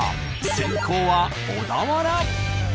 先攻は小田原。